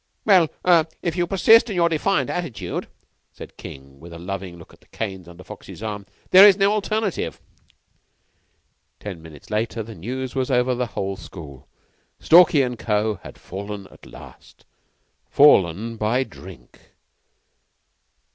"Well er if you persist in your defiant attitude," said King, with a loving look at the canes under Foxy's arm. "There is no alternative." Ten minutes later the news was over the whole school. Stalky and Co. had fallen at last fallen by drink.